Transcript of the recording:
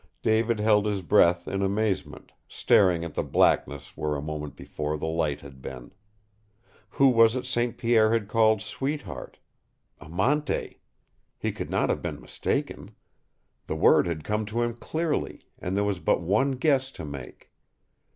David held his breath in amazement, staring at the blackness where a moment before the light had been. Who was it St. Pierre had called sweetheart? AMANTE! He could not have been mistaken. The word had come to him clearly, and there was but one guess to make.